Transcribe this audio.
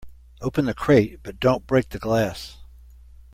Open the crate but don't break the glass.